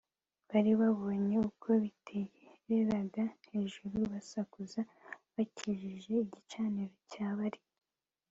Bari babonye uko bitereraga hejuru basakuza bakikije igicaniro cya Bali